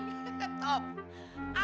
gak bisa main perempuan